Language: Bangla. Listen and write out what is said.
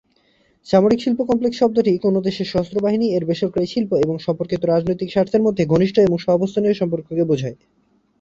সামরিক-শিল্প কমপ্লেক্স শব্দটি কোনও দেশের সশস্ত্র বাহিনী, এর বেসরকারী শিল্প এবং সম্পর্কিত রাজনৈতিক স্বার্থের মধ্যে ঘনিষ্ঠ এবং সহাবস্থানীয় সম্পর্ককে বোঝায়।